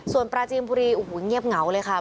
ส่วนปราจีนบุรีโอ้โหเงียบเหงาเลยค่ะ